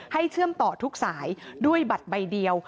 เชื่อมต่อทุกสายด้วยบัตรใบเดียว